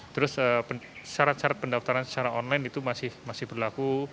terus syarat syarat pendaftaran secara online itu masih berlaku